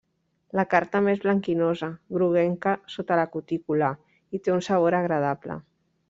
La carn també és blanquinosa, groguenca sota la cutícula, i té un sabor agradable.